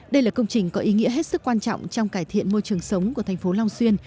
đây là công trình có ý nghĩa hết sức quan trọng trong cải thiện môi trường sống của thành phố long xuyên